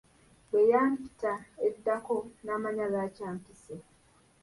Bwe yampita eddako, namanya lwaki ampise.